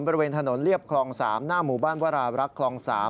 บริเวณถนนเรียบคลอง๓หน้าหมู่บ้านวรารักษ์คลอง๓